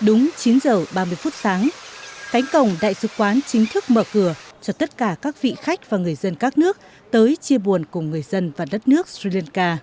đúng chín h ba mươi phút sáng cánh cổng đại sứ quán chính thức mở cửa cho tất cả các vị khách và người dân các nước tới chia buồn cùng người dân và đất nước sri lanka